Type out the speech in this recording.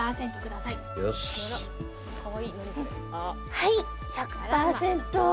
はい、１００％。